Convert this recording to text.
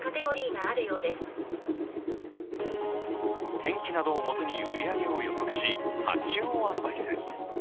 天気などをもとに売り上げを予測し発注をアドバイス。